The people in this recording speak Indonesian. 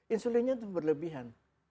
insulinnya itu berlebihan